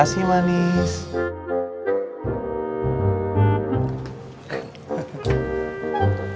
masih ada yang nungguin hari hello